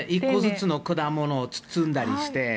１個ずつの果物を包んだりして。